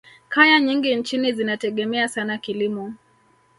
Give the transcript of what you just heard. kaya nyingi nchini zinategemea sana kilimo